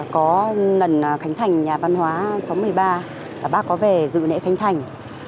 có lần khánh thành nhà văn hóa số một mươi ba bác có về dự lễ khánh thành